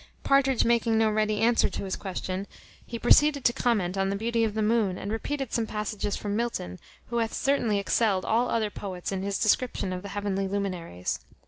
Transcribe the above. Partridge making no ready answer to his question, he proceeded to comment on the beauty of the moon, and repeated some passages from Milton, who hath certainly excelled all other poets in his description of the heavenly luminaries.